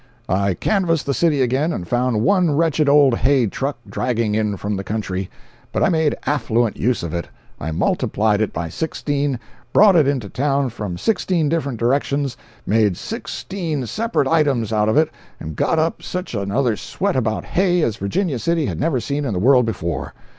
I canvassed the city again and found one wretched old hay truck dragging in from the country. But I made affluent use of it. I multiplied it by sixteen, brought it into town from sixteen different directions, made sixteen separate items out of it, and got up such another sweat about hay as Virginia City had never seen in the world before.